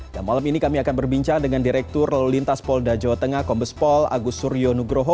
dan malam ini kami akan berbincang dengan direktur lalu lintas polda jawa tengah kombes pol agus suryo nugroho